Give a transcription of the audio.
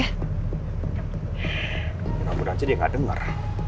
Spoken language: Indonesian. ya ampun aja dia nggak dengar